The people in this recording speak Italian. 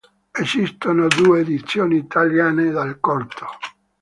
Esistono due edizioni italiane del corto.